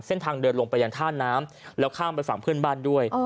เส้นทางเดินลงไปยังท่าน้ำแล้วข้ามไปฝั่งเพื่อนบ้านด้วย